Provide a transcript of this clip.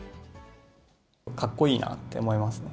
かっこいいなって思いますね。